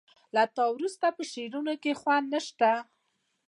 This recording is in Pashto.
له تا وروسته په شعرونو کې خوند نه شته